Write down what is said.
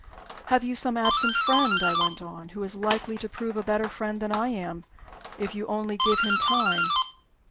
"Have you some absent friend," I went on, "who is likely to prove a better friend than I am, if you only give him time?"